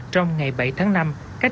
trong ngày bảy tháng năm